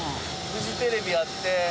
フジテレビあって。